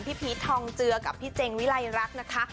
พี่พีชทองเจือกับพี่เจงวิไลรักษ์นะคะ